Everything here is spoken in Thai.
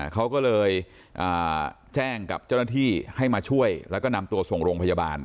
เขาก็เลยแจ้งกับเจ้าหน้าที่ให้มาช่วยแล้วก็นำตัวส่งโรงพยาบาล